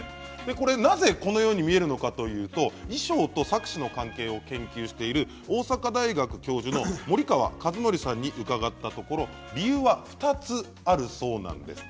なぜこのように見えるのかというと衣装と錯視の関係を研究している大阪大学教授の森川和則さんに伺ったところ理由は２つあるそうなんです。